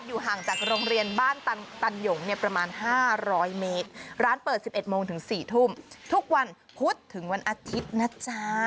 ห่างจากโรงเรียนบ้านตันหยงเนี่ยประมาณ๕๐๐เมตรร้านเปิด๑๑โมงถึง๔ทุ่มทุกวันพุธถึงวันอาทิตย์นะจ๊ะ